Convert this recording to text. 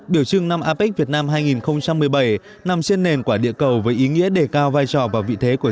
biểu trưng năm apec việt nam hai nghìn một mươi bảy nằm trên nền quả địa cầu với ý nghĩa đề cao vai trò